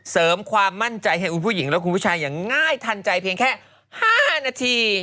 เสริมความมั่นใจให้คุณผู้หญิงและคุณผู้ชายอย่างง่ายทันใจเพียงแค่๕นาที